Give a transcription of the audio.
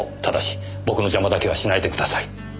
ただし僕の邪魔だけはしないでください！